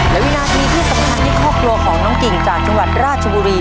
และวินาทีที่สำคัญที่ครอบครัวของน้องกิ่งจากจังหวัดราชบุรี